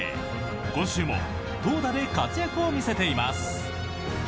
今週も投打で活躍を見せています。